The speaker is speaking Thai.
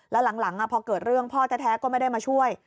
แล้วหลังพอเกิดเรื่องพ่อแท้ก็ไม่ได้มาช่วย